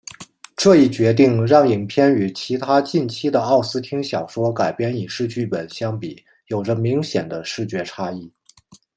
这一决定让影片与其他近期的奥斯汀小说改编影视剧本相比有着明显的视觉差异。